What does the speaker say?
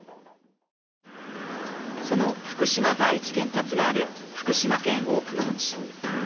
その福島第一原発がある福島県大熊町。